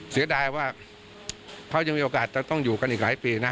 เสียดายว่าเขายังมีโอกาสจะต้องอยู่กันอีกหลายปีนะ